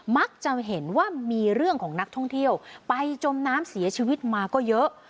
มักจะเห็นว่ามีเรื่องของนักท่องเที่ยวไปจมน้ำเสียชีวิตมาก็เยอะ